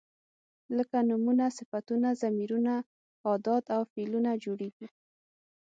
لکه نومونه، صفتونه، ضمیرونه، ادات او فعلونه جوړیږي.